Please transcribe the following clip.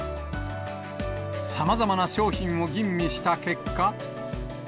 さまざまな商品を吟味した結果。